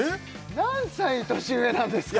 何歳年上なんですか！